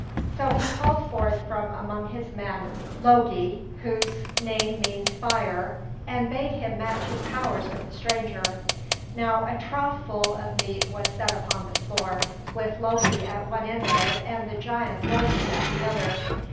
So he called forth from among his men Logi, whose name means "fire," and bade him match his powers with the stranger. Now a trough full of meat was set upon the floor, with Loki at one end of it and the giant Logi at the other.